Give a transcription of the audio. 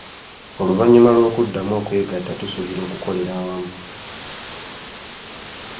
Oluvannyuma lw'okuddamu okwegatta tusuubira okukolera awamu.